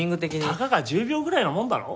たかが１０秒ぐらいのもんだろ？